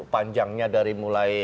panjangnya dari mulai